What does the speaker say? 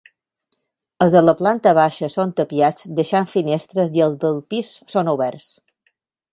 Els de la planta baixa són tapiats deixant finestres i els del pis són oberts.